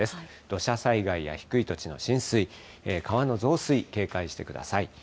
土砂災害や低い土地の浸水、川の増水、警戒してください。